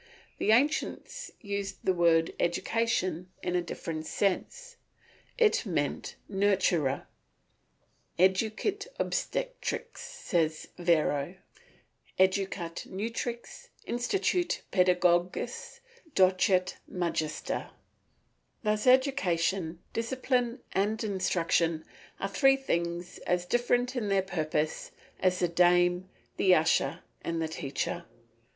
The ancients used the word "Education" in a different sense, it meant "Nurture." "Educit obstetrix," says Varro. "Educat nutrix, instituit paedagogus, docet magister." Thus, education, discipline, and instruction are three things as different in their purpose as the dame, the usher, and the teacher.